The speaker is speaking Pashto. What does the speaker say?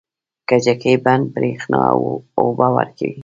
کجکي بند بریښنا او اوبه ورکوي